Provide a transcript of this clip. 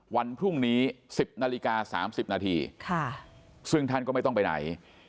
วันพรุ่งนี้สิบนาฬิกาสามสิบนาทีค่ะซึ่งท่านก็ไม่ต้องไปไหน